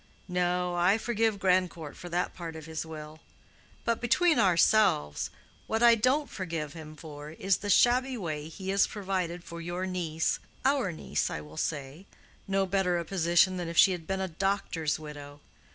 No; I forgive Grandcourt for that part of his will. But, between ourselves, what I don't forgive him for, is the shabby way he has provided for your niece—our niece, I will say—no better a position than if she had been a doctor's widow.